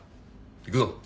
行くぞ。